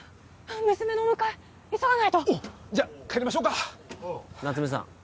娘のお迎え急がないとおっじゃ帰りましょうか夏梅さん